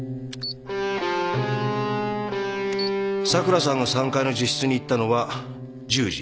桜さんが３階の自室に行ったのは１０時。